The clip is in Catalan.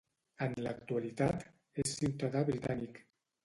En l'actualitat, és ciutadà britànic.